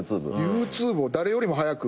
ＹｏｕＴｕｂｅを誰よりも早く。